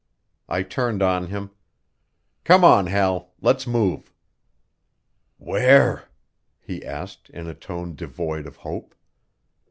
I turned on him: "Come on, Hal; let's move." "Where?" he asked in a tone devoid of hope.